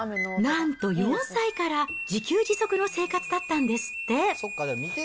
なんと４歳から、自給自足の生活だったんですって。